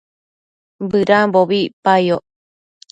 bëdambobi icpayoc